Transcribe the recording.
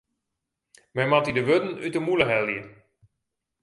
Men moat dy de wurden út 'e mûle helje.